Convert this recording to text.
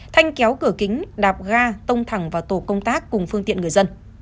thanh kéo cửa kính đạp ga tông thẳng vào tổ công tác cùng phương tiện người dân